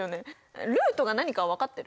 ルートが何か分かってる？